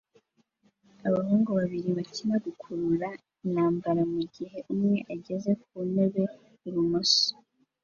Abahungu babiri bakina gukurura intambara mugihe umwe ageze ku ntebe ibumoso